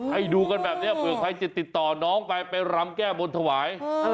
ให้ดูกันแบบนี้เผื่อใครจะติดต่อน้องไปไปรำแก้บนถวาย